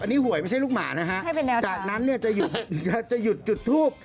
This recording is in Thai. อันนี้หวยไม่ใช่ลูกหมานะครับจากนั้นจะหยุดจุดทูป